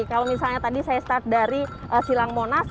kalau misalnya tadi saya start dari silang monas